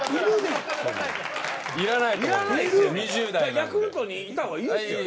ヤクルトにいた方がいいですよね？